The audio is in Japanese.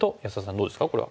どうですかこれは。